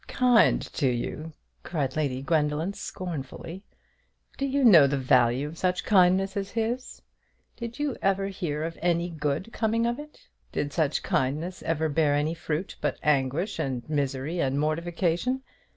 "Kind to you!" cried Lady Gwendoline, scornfully. "Do you know the value of such kindness as his? Did you ever hear of any good coming of it? Did such kindness ever bear any fruit but anguish and misery and mortification?